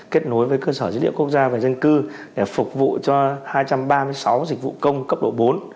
kết nối với cơ sở dữ liệu quốc gia về dân cư để phục vụ cho hai trăm ba mươi sáu dịch vụ công cấp độ bốn